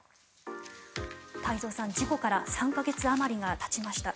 太蔵さん、事故から３か月あまりがたちました。